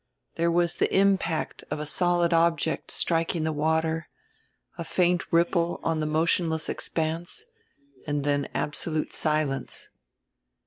There was the impact of a solid object striking the water, a faint ripple on the motionless expanse, and then absolute silence.